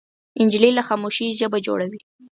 نجلۍ له خاموشۍ ژبه جوړوي.